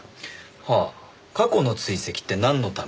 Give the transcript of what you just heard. はあ過去の追跡ってなんのために？